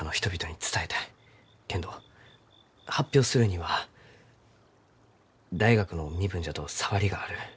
けんど発表するには大学の身分じゃと障りがある。